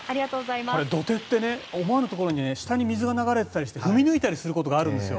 土手って思わぬ場所に下に水が流れていたりして踏み抜いたりすることがあるんですよ。